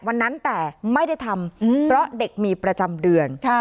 วันนั้นแต่ไม่ได้ทำเพราะเด็กมีประจำเดือน